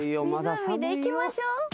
湖で行きましょう。